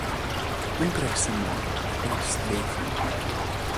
Δεν πείραξες εμένα, αλλά πείραξες τη Ντέιζη